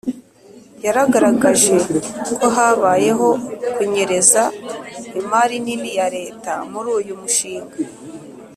yagaragaje ko habayeho kunyereza imari nini ya leta muri uyu mushinga